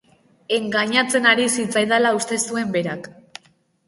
Engainatzen ari zitzaidala uste zuen berak.